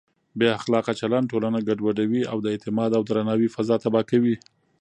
بې اخلاقه چلند ټولنه ګډوډوي او د اعتماد او درناوي فضا تباه کوي.